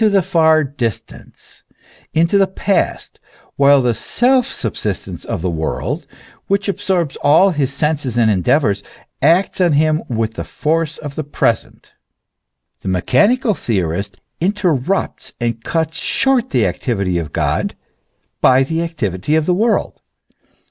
191 far distance, into the past, while the self subsistence of the world, which absorbs all his senses and endeavours, acts on him with the force of the present. The mechanical theorist interrupts and cuts short the activity of God by the activity of the world.